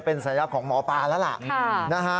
เป็นสัญลักษณ์ของหมอปลาแล้วล่ะ